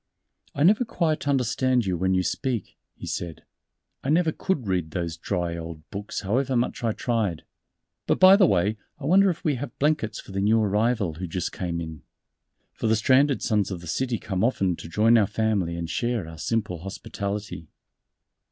"I never quite understand you when you speak," he said, "I never could read those dry old books however much I tried.... But by the way, I wonder if we have blankets for the new arrival who just came in." For the Stranded Sons of the City come often to join our Family and share our simple hospitality.